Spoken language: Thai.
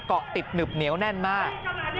เกาะติดหนึบเหนียวแน่นมาก